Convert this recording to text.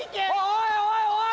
おいおいおい！